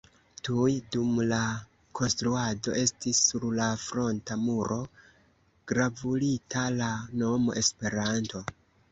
Tuj dum la konstruado estis sur la fronta muro gravurita la nomo Esperanto.